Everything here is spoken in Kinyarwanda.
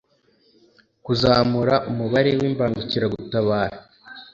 kuzamura umubare w imbangukiragutabara